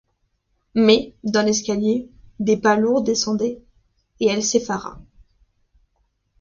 Mais, dans l'escalier, des pas lourds descendaient; et elle s'effara.